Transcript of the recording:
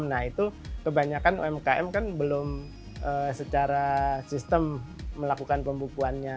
nah itu kebanyakan umkm kan belum secara sistem melakukan pembukuannya